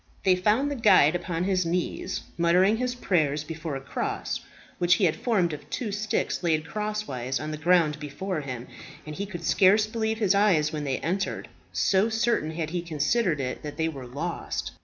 They found the guide upon his knees, muttering his prayers before a cross, which he had formed of two sticks laid crosswise on the ground before him; and he could scarce believe his eyes when they entered, so certain had he considered it that they were lost.